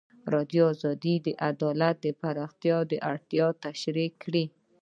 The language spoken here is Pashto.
ازادي راډیو د عدالت د پراختیا اړتیاوې تشریح کړي.